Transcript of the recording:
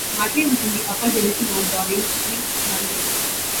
Martley was in the upper division of Doddingtree Hundred.